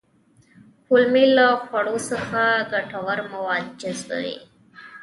کولمې له خوړو څخه ګټور مواد جذبوي